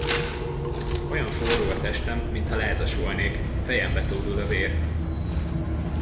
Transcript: Olyan forró a testem, mintha lázas volnék, fejembe tódul a vér!